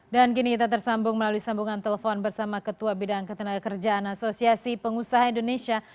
dan kini kita tersambung melalui sambungan telepon bersama ketua bidang ketenagakerjaan asosiasi pengusaha indonesia